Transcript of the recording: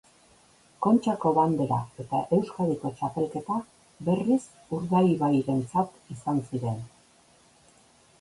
Kontxako bandera eta Euskadiko txapelketa berriz Urdaibairentzat izan ziren.